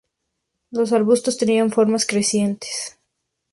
Los arbustos tenían formas crecientes.